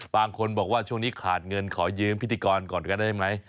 บางคนบอกว่าช่วงนี้ขาดเงินขอยืมพิธีกรก่อนก็ได้ไหม